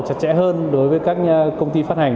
chặt chẽ hơn đối với các công ty phát hành